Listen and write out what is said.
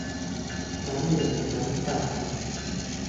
น้ำเหลืองน้ำตาล